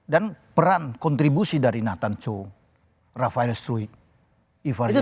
dan peran kontribusi dari nathan cho rafael struy ivar yanar